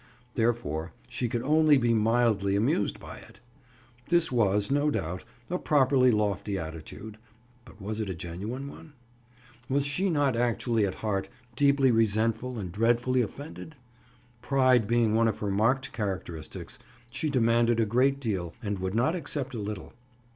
Therefore she could only be mildly amused by it. This was, no doubt, a properly lofty attitude, but was it a genuine one? Was she not actually at heart, deeply resentful and dreadfully offended? Pride being one of her marked characteristics, she demanded a great deal and would not accept a little.